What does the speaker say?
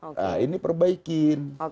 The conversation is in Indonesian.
nah ini perbaikin